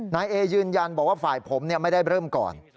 นายเอยืนยันบอกว่าฝ่ายผมไม่ได้เริ่มก่อน